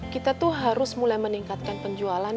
kita harus mulai meningkatkan prosesnya ya bu